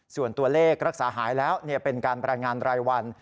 ส่วนตัวเลขรักษาหายแล้วเป็นการรายงานรายวัน